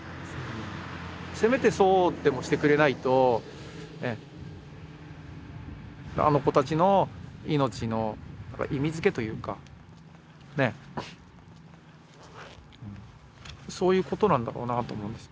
せめてそうでもしてくれないとあの子たちの命の意味づけというかそういうことなんだろうなと思うんです。